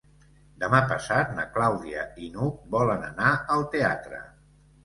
Demà passat na Clàudia i n'Hug volen anar al teatre.